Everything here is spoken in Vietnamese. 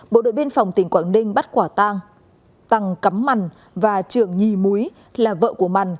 bộ đội biên phòng tỉnh quảng ninh bắt quả tang tăng cắm mằn và trường nhì múi là vợ của mằn